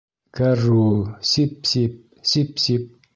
— Кәрррүүү, сип-сип, сип-сип...